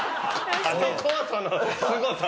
あのコートのすごさ。